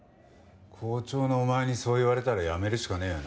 校長のお前にそう言われたら辞めるしかねえよな。